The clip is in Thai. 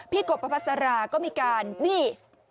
พี่กบประพัติสาราก็มีการนี่